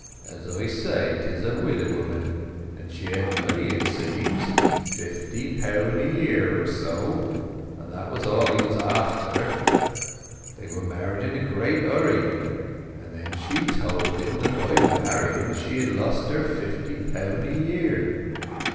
"As I say, 'tis a widow woman, and she had money, it seems—fifty poun' a year or so; and that was all he was after. They were married in a great hurry; and then she told him that by marrying she had lost her fifty poun' a year.